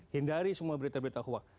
hindari semua berita berita huak